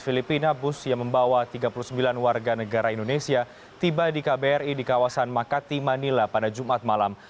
filipina bus yang membawa tiga puluh sembilan warga negara indonesia tiba di kbri di kawasan makati manila pada jumat malam